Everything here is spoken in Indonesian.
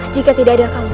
jika tidak ada kamu